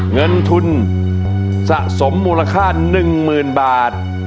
เงินทุนสะสมมูลค่าหนึ่งหมื่นบาท